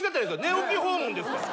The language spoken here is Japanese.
寝起き訪問ですから。